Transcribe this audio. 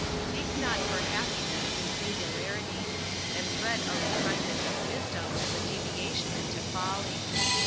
Seek not for happiness in singularity; and dread a refinement of wisdom as a deviation into folly.